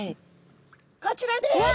こちらです。